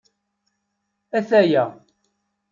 Ataya.